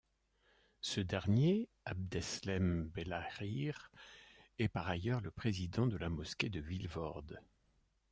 Ce dernier, Abdeslem Belahrir, est par ailleurs le président de la mosquée de Vilvorde.